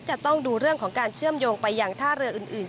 จะต้องดูเรื่องของการเชื่อมโยงไปอย่างท่าเรืออื่น